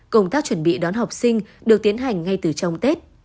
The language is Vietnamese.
công tác chuẩn bị đón học sinh được tiến hành ngay từ trong tết